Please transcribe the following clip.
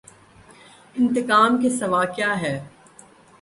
انتقام کے سوا کیا ہے۔